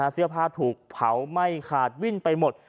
เสื้อผ้าถูกเผาไหม้ขาดวิ่นไปหมด